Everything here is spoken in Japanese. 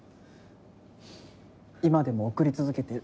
今でも送り続けてる。